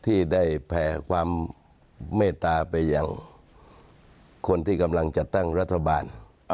ที่ได้แผ่ความเมตตาไปอย่างคนที่กำลังจัดตั้งรัฐบาล